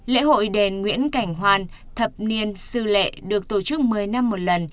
lễ hội đền nguyễn cảnh hoan thập niên sư lệ được tổ chức một mươi năm một lần